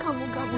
kamu harus sabar